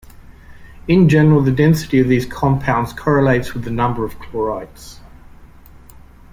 In general the density of these compounds correlates with the number of chlorides.